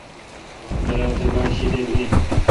درا تہ باڑ شیدل این۔